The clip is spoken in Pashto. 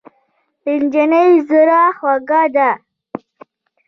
نجلۍ زړه خوږه ده.